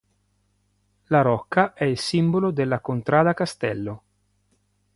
La rocca è il simbolo della contrada Castello.